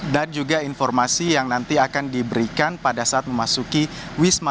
dan juga informasi yang nanti akan diberikan pada saat memasuki wisma